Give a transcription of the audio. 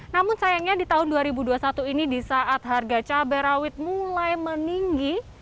namun sayangnya di tahun dua ribu dua puluh satu ini di saat harga cabai rawit mulai meninggi